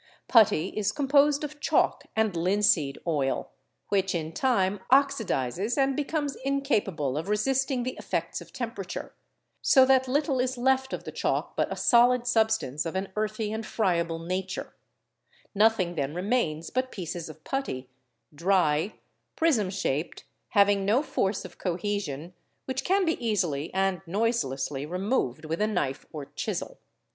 Putty is composed of chalk and : linseed oil, which, in time, oxidises and becomes incapable of resisting M4 the effects of temperature, so that little is left of the chalk but a solid — substance of an earthy and friable nature; nothing then remains but | pieces of putty, dry, prism shaped, having no force of cohesion, which can | be easily and noiselessly removed with a knife or chisel.